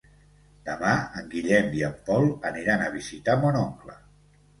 Demà en Guillem i en Pol aniran a visitar mon oncle.